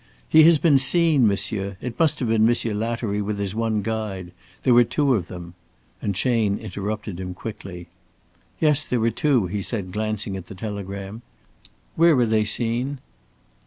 "He has been seen, monsieur. It must have been Monsieur Lattery with his one guide. There were two of them," and Chayne interrupted him quickly. "Yes, there were two," he said, glancing at his telegram. "Where were they seen?"